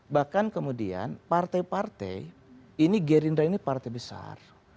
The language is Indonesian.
bahkan kemudian partai partai ini gerindra ini partai besar